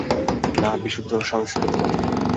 না, বিশুদ্ধ সংস্কৃত মতে।